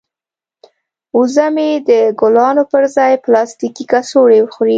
وزه مې د ګلانو پر ځای پلاستیکي کڅوړې خوري.